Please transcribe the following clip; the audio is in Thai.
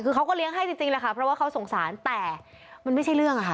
คือเขาก็เลี้ยงให้จริงแหละค่ะเพราะว่าเขาสงสารแต่มันไม่ใช่เรื่องอะค่ะ